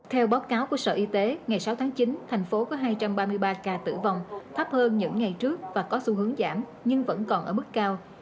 theo báo cáo của sở y tế ngày sáu tháng chín thành phố có hai trăm ba mươi ba ca tử vong thấp hơn những ngày trước và có xu hướng giảm nhưng vẫn còn ở mức cao